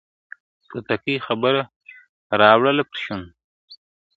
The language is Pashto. توتکۍ خبره راوړله پر شونډو ..